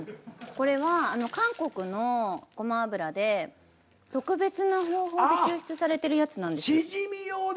これは韓国のごま油で特別な方法で抽出されてるやつなんです。